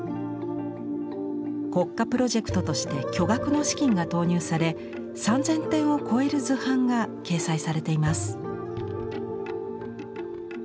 国家プロジェクトとして巨額の資金が投入され３，０００点を超える図版が掲載されています。